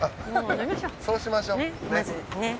そうしましょうねっ。